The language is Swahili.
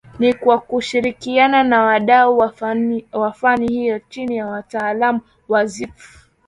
Ni kwa kushirikiana na wadau wa fani hiyo chini ya wataalam wa Ziff